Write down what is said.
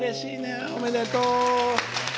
おめでとう！